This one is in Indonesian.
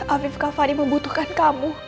afif kak fani membutuhkan kamu